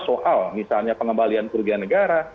soal misalnya pengembalian kerugian negara